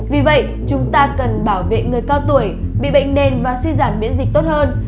vì vậy chúng ta cần bảo vệ người cao tuổi bị bệnh nền và suy giảm biễn dịch tốt hơn